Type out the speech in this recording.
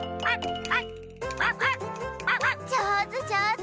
じょうずじょうず！